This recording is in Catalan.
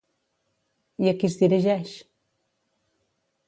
I a qui es dirigeix?